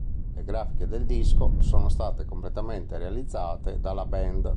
Le grafiche del disco sono state completamente realizzate dalla band.